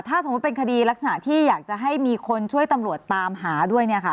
ถ้าสมมุติเป็นคดีลักษณะที่อยากจะให้มีคนช่วยตำรวจตามหาด้วย